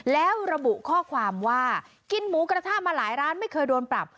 แล้วระบุข้อความว่ากินหมูกระทะมาหลายร้านไม่เคยโดนปรับ